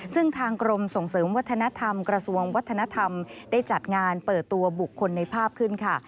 ซึ่งทางกรมส่งเสริมวัฒนธรรมกระทรวงวัฒนธรรมได้จัดงานเปิดตัวบุคคลในภาพขึ้นค่ะ